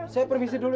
saya permisi dulu